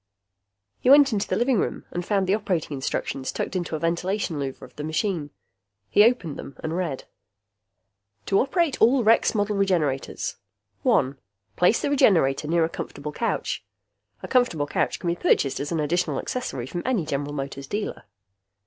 He went into the living room and found the operating instructions tucked into a ventilation louver of the machine. He opened them and read: To Operate All Rex Model Regenerators: 1. Place the Regenerator near a comfortable couch. (A comfortable couch can be purchased as an additional accessory from any General Motors dealer.)